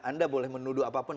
anda boleh menuduh apapun